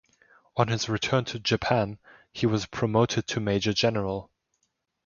On his return to Japan, he was promoted to major general.